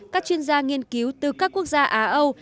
các chuyên gia nghiên cứu từ các quốc gia á âu